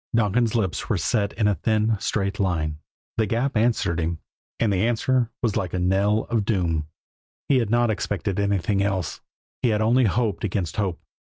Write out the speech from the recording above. Donkin's lips were set in a thin, straight line. The Gap answered him; and the answer was like the knell of doom. He had not expected anything else; he had only hoped against hope.